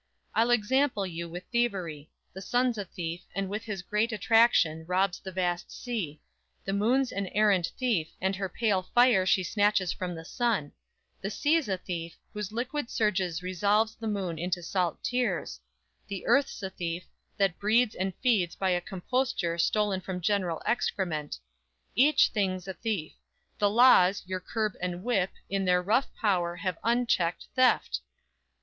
I'll example you with thievery; The sun's a thief, and with his great attraction Robs the vast sea; the moon's an arrant thief, And her pale fire she snatches from the sun; The sea's a thief, whose liquid surges resolves The moon into salt tears; the earth's a thief, That feeds and breeds by a composture stolen From general excrement; each thing's a thief; The laws, your curb and whip, in their rough power Have unchecked theft!